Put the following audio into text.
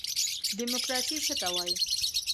دیموکراسي څه ته وایي؟